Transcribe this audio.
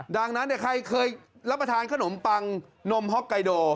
ดังนั้นใครเคยรับประทานขนมปังนมฮ็อกไกโด